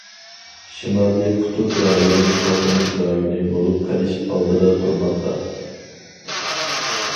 شىمالىي قۇتۇپ رايونى توقۇنۇش رايونى بولۇپ قېلىش ئالدىدا تۇرماقتا.